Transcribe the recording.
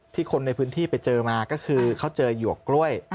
คนในพื้นที่ไปเจอมาก็คือเขาเจอหยวกกล้วย